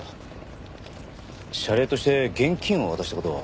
謝礼として現金を渡した事は？